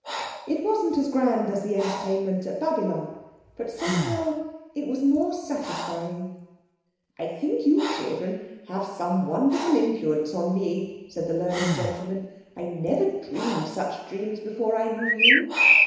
It wasn't as grand as the entertainment at Babylon, but somehow it was more satisfying. "I think you children have some wonderful influence on me," said the learned gentleman. "I never dreamed such dreams before I knew you."